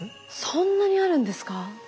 そんなにあるんですか？